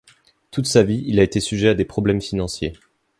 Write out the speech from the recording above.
Toute sa vie il a été sujet à des problèmes financiers.